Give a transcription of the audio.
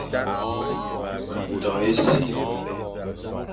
Me to e si,